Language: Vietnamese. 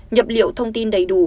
nhập liệu thông tin đầy đủ